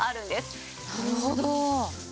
なるほど。